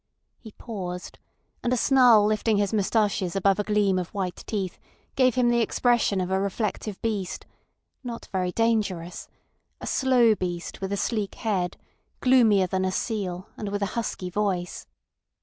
He paused, and a snarl lifting his moustaches above a gleam of white teeth gave him the expression of a reflective beast, not very dangerous—a slow beast with a sleek head, gloomier than a seal, and with a husky voice.